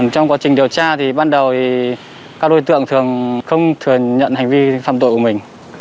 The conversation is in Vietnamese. trong quá trình điều tra thì ban đầu các đối tượng thường không thừa nhận hành vi phạm tội của mình